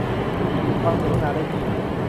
ฟังเสวนาได้ที่